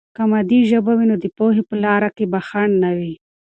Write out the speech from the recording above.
که مادي ژبه وي، نو د پوهې په لاره به خنډ نه وي.